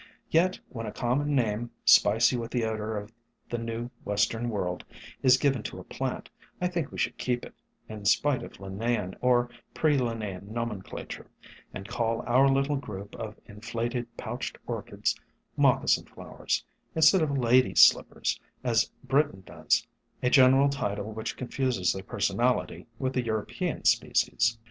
Yet when a common name, spicy with the odor of the new western world, is given to a plant, I think we should keep it, in spite of Lin naean or pre Linnaean nomenclature, and call our little group of inflated pouched Orchids, Moccasin Flowers, instead of Ladies' Slippers, as Britton does, a general title which confuses their person ality with the European species.